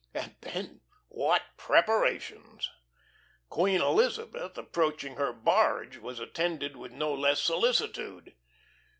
And then what preparations! Queen Elizabeth approaching her barge was attended with no less solicitude.